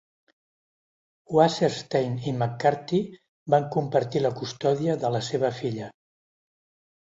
Wasserstein i McCarthy van compartir la custòdia de la seva filla.